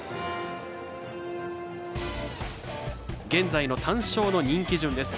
現在の単勝の人気順です。